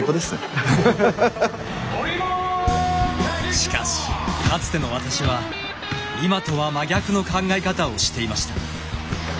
しかしかつての私は今とは真逆の考え方をしていました。